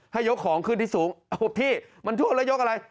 ให้ยกของขึ้นที่สูงเอ้าพี่มันทั่วละยกอะไร